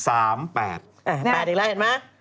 อีกแล้วเห็นไหม